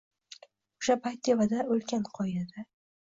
O’sha payt tepada — ulkan qoyada